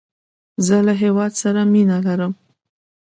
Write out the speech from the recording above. زه له هیواد سره مینه لرم